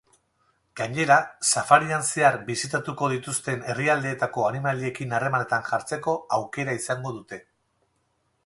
Gainera, safarian zehar bisitatuko dituzten herrialdeetako animaliekin harremanetan jartzeko aukera izango dute.